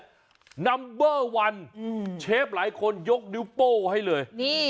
นัมเบอร์วันเชฟหลายคนยกนิ้วโป้ให้เลย